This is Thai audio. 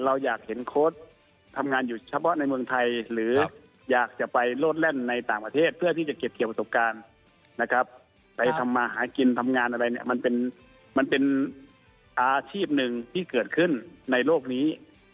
ไปทำอาหารกินทำงานอะไรมันเป็นอาชีพหนึ่งที่เกิดขึ้นในโลกนี้